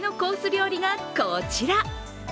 料理がこちら。